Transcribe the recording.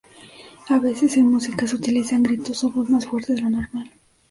A veces, en música, se utilizan gritos o voz más fuerte de lo normal.